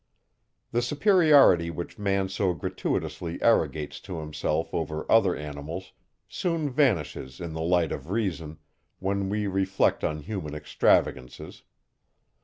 The superiority which man so gratuitously arrogates to himself over other animals, soon vanishes in the light of reason, when we reflect on human extravagances.